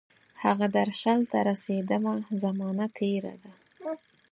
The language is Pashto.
هغه درشل ته رسیدمه، زمانه تیره ده